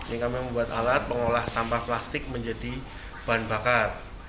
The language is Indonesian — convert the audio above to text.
ini kami membuat alat pengolah sampah plastik menjadi bahan bakar